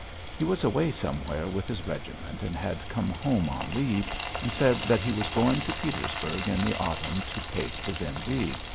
He was away somewhere with his regiment and had come home on leave, and said that he was going to Petersburg in the autumn to take his M.D.